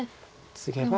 ツゲば。